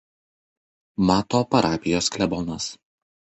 Mato parapijos klebonas.